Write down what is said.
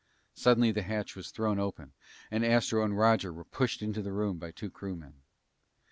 Suddenly the hatch was thrown open and Astro and Roger were pushed into the room by two crewmen.